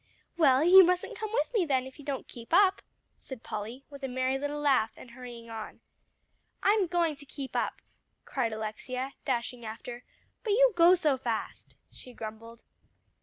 "Well, you mustn't come with me, then, if you don't keep up," said Polly, with a merry little laugh, and hurrying on. "I'm going to keep up," cried Alexia, dashing after, "but you go so fast," she grumbled.